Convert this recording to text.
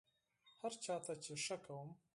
هر چا ته چې ښه کوم،